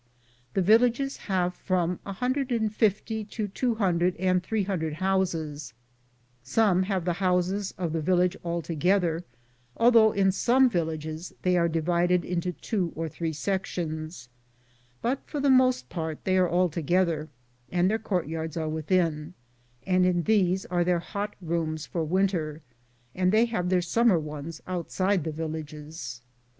The villages have from 150 to 200 and 300 houses; some have the houses of the village all together, although in some villages they are divided into two or three sections, but for the most part they are all together, and their courtyards are within, and in these are their hot rooms for winter, and they have their summer ones outside the villages.